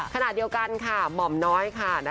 ขณะเดียวกันค่ะหม่อมน้อยค่ะ